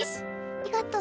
ありがとう。